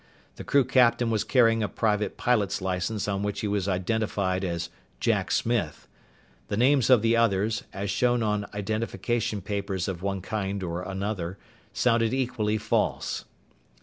The crew captain was carrying a private pilot's license on which he was identified as "Jack Smith." The names of the others, as shown on identification papers of one kind or another, sounded equally false.